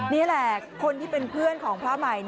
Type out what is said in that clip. นี่แหละคนที่เป็นเพื่อนของพระใหม่